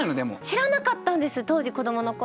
知らなかったんです当時子どもの頃は。